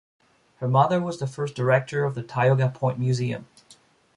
Her mother was the first director of the Tioga Point Museum.